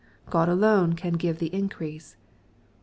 God alone can " give the increase."